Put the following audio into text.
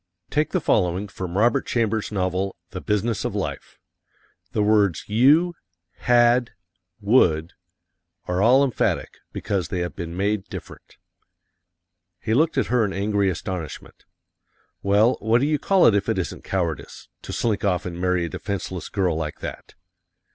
Take the following from Robert Chambers' novel, "The Business of Life." The words you, had, would, are all emphatic, because they have been made different. He looked at her in angry astonishment. "Well, what do you call it if it isn't cowardice to slink off and marry a defenseless girl like that!"